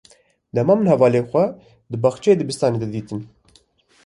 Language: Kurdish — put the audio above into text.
Dema min hevalên xwe di baxçeyê dibistanê de dîtin.